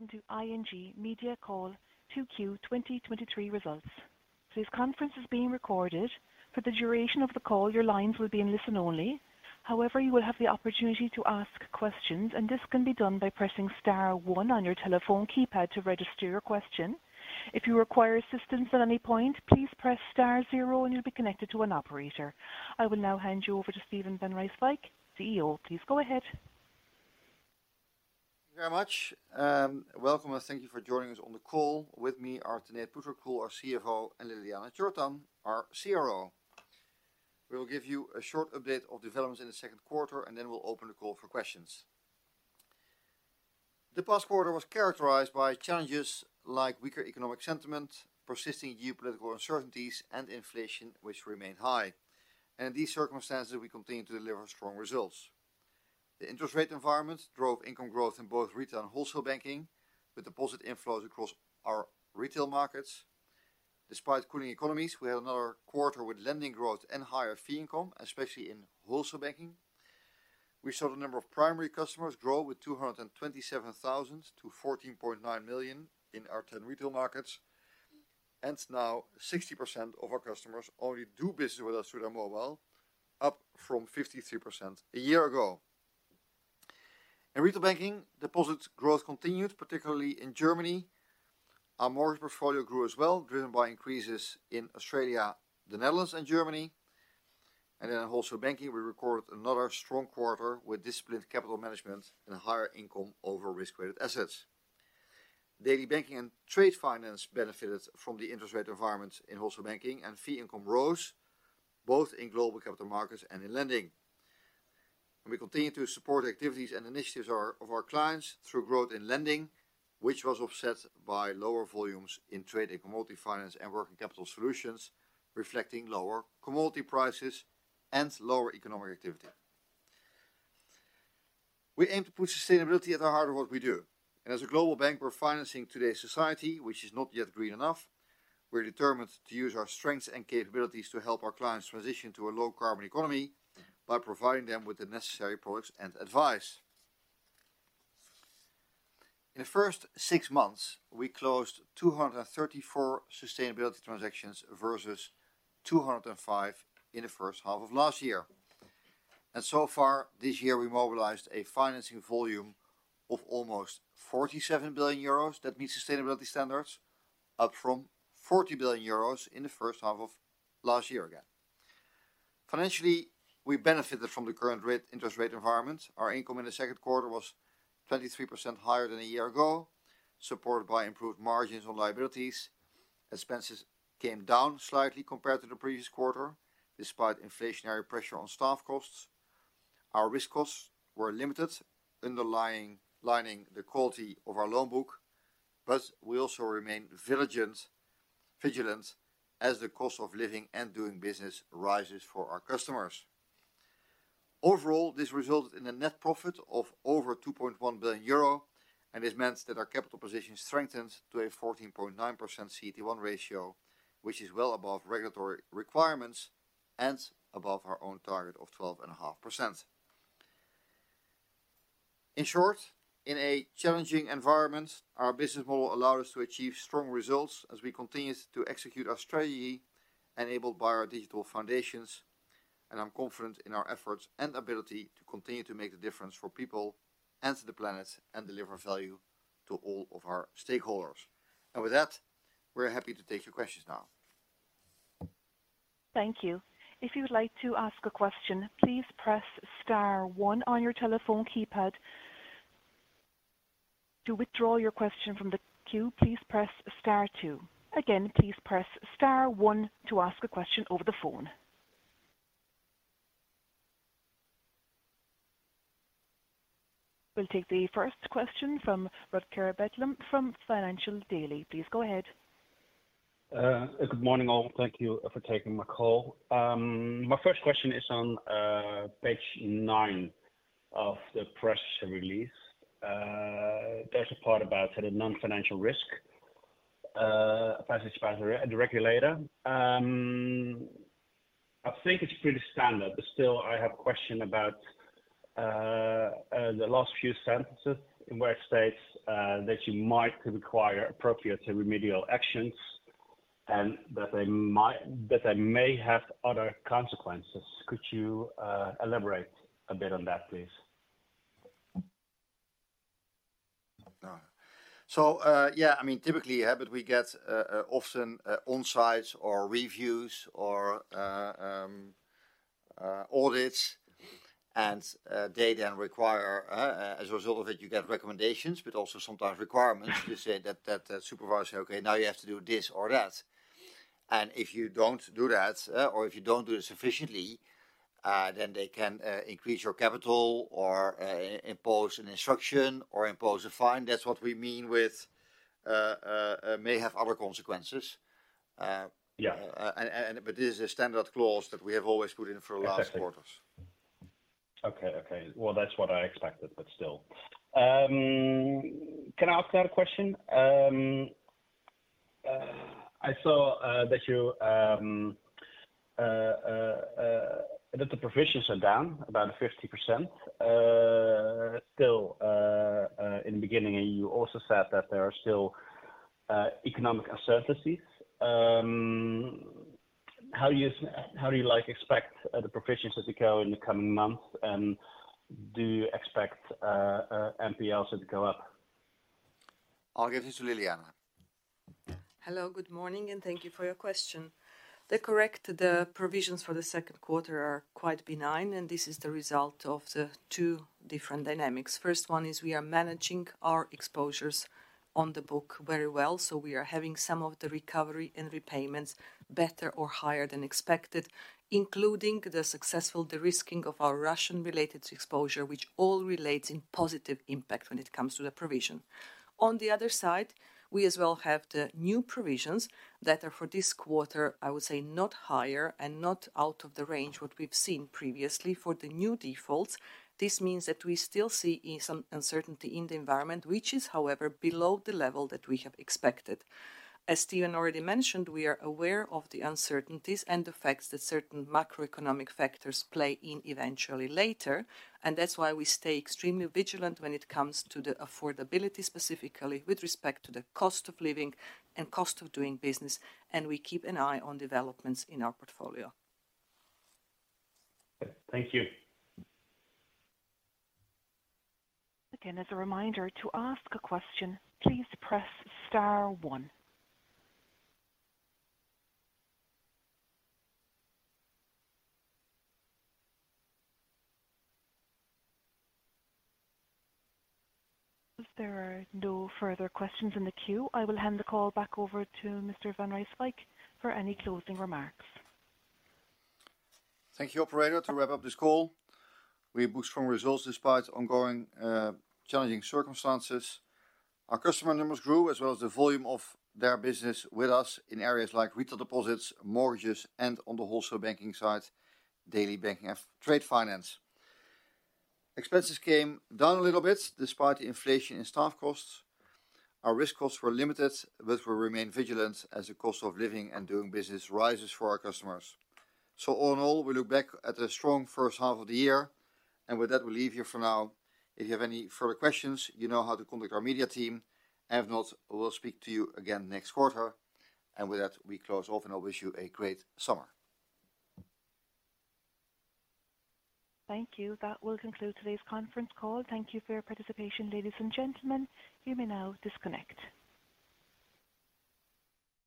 Welcome to ING Media Call 2Q 2023 results. This conference is being recorded. For the duration of the call, your lines will be in listen only. You will have the opportunity to ask questions, and this can be done by pressing star one on your telephone keypad to register your question. If you require assistance at any point, please press star zero and you'll be connected to an operator. I will now hand you over to Steven van Rijswijk, CEO. Please go ahead. Thank you very much. Welcome, and thank you for joining us on the call. With me are Tanate Phutrakul, our CFO, and Ljiljana Čortan, our CRO. We'll give you a short update of developments in the second quarter. Then we'll open the call for questions. The past quarter was characterized by challenges like weaker economic sentiment, persisting geopolitical uncertainties, and inflation, which remained high. In these circumstances, we continued to deliver strong results. The interest rate environment drove income growth in both Retail and Wholesale Banking, with deposit inflows across our retail markets. Despite cooling economies, we had another quarter with lending growth and higher fee income, especially in Wholesale Banking. We saw the number of primary customers grow with 227,000 to 14.9 million in our 10 retail markets, and now 60% of our customers only do business with us through their mobile, up from 53% a year ago. In Retail Banking, deposit growth continued, particularly in Germany. Our mortgage portfolio grew as well, driven by increases in Australia, the Netherlands, and Germany. In Wholesale Banking, we recorded another strong quarter with disciplined capital management and higher income over risk-weighted assets. Daily Banking and Trade Finance benefited from the interest rate environment in Wholesale Banking, and fee income rose both in global capital markets and in lending. We continued to support activities and initiatives of our clients through growth in lending, which was offset by lower volumes in trade and commodity finance and working capital solutions, reflecting lower commodity prices and lower economic activity. We aim to put sustainability at the heart of what we do, and as a global bank, we're financing today's society, which is not yet green enough. We're determined to use our strengths and capabilities to help our clients transition to a low-carbon economy by providing them with the necessary products and advice. In the first six months, we closed 234 sustainability transactions versus 205 in the first half of last year. So far this year, we mobilized a financing volume of almost 47 billion euros. That meets sustainability standards, up from 40 billion euros in the first half of last year again. Financially, we benefited from the current rate, interest rate environment. Our income in the second quarter was 23% higher than a year ago, supported by improved margins on liabilities. Expenses came down slightly compared to the previous quarter, despite inflationary pressure on staff costs. Our risk costs were limited, underlying the quality of our loan book, but we also remain vigilant as the cost of living and doing business rises for our customers. Overall, this resulted in a net profit of over 2.1 billion euro, and this meant that our capital position strengthened to a 14.9% CET1 ratio, which is well above regulatory requirements and above our own target of 12.5%. In short, in a challenging environment, our business model allowed us to achieve strong results as we continued to execute our strategy enabled by our digital foundations. I'm confident in our efforts and ability to continue to make a difference for people and to the planet and deliver value to all of our stakeholders. With that, we're happy to take your questions now. Thank you. If you would like to ask a question, please press star one on your telephone keypad. To withdraw your question from the queue, please press star two. Again, please press star one to ask a question over the phone. We'll take the first question from Rutger Betlem from Financial Daily. Please go ahead. Good morning, all. Thank you for taking my call. My first question is on page nine of the press release. There's a part about the non-financial risk as a regulator. I think it's pretty standard, but still I have a question about the last few sentences in where it states that you might require appropriate remedial actions and that they may have other consequences. Could you elaborate a bit on that, please? Yeah, I mean, typically, yeah, but we get often on-sites or reviews or audits and they then require. As a result of it, you get recommendations, but also sometimes requirements to say that, that supervisor, okay, now you have to do this or that. If you don't do that, or if you don't do it sufficiently, then they can increase your capital or impose an instruction or impose a fine. That's what we mean with may have other consequences. This is a standard clause that we have always put in for the last quarters. Exactly. Okay, okay. Well, that's what I expected, but still. Can I ask another question? I saw that the provisions are down about 50%. Still, in the beginning, and you also said that there are still economic uncertainties. How do you, like, expect the provisions to go in the coming months, and do you expect NPLs to go up? I'll give it to Ljiljana. Hello, good morning, thank you for your question. The provisions for the second quarter are quite benign. This is the result of the two different dynamics. First one is we are managing our exposures on the book very well, so we are having some of the recovery and repayments better or higher than expected, including the successful de-risking of our Russian-related exposure, which all relates in positive impact when it comes to the provision. On the other side, we as well have the new provisions that are for this quarter, I would say not higher and not out of the range what we've seen previously for the new defaults. This means that we still see some uncertainty in the environment, which is, however, below the level that we have expected. As Steven already mentioned, we are aware of the uncertainties and the facts that certain macroeconomic factors play in eventually later, and that's why we stay extremely vigilant when it comes to the affordability, specifically with respect to the cost of living and cost of doing business, and we keep an eye on developments in our portfolio. Thank you. Again, as a reminder, to ask a question, please press star one. As there are no further questions in the queue, I will hand the call back over to Mr. van Rijswijk for any closing remarks. Thank you, Operator. To wrap up this call, we booked strong results despite ongoing challenging circumstances. Our customer numbers grew, as well as the volume of their business with us in areas like retail deposits, mortgages, and on the Wholesale Banking side, Daily Banking and Trade Finance. Expenses came down a little bit despite inflation and staff costs. Our risk costs were limited, but we remain vigilant as the cost of living and doing business rises for our customers. All in all, we look back at a strong first half of the year, and with that, we'll leave you for now. If you have any further questions, you know how to contact our media team. If not, we'll speak to you again next quarter. With that, we close off, and I wish you a great summer. Thank you. That will conclude today's conference call. Thank you for your participation, ladies and gentlemen. You may now disconnect.